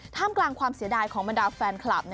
ท่ามกลางความเสียดายของบรรดาแฟนคลับ